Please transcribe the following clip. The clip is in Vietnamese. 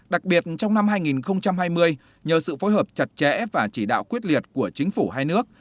đặc biệt trong năm hai nghìn hai mươi nhờ sự phối hợp chặt chẽ và chỉ đạo quyết liệt của chính phủ hai nước